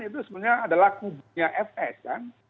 itu sebenarnya adalah kubunya fs kan